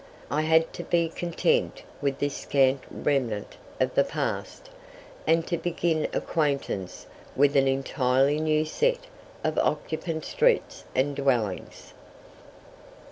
I had to be content with this scant remnant of the past, and to begin acquaintance with an entirely new set of occupant streets and dwellings.